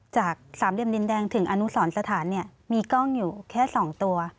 จากสามเหลี่ยมดินแดงถึงอนุสรสถานเนี่ยมีกล้องอยู่แค่๒ตัว